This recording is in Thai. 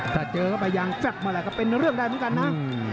ถ้าเจอก็พยายามแซ่บมาแหละก็เป็นเรื่องได้เหมือนกันนะ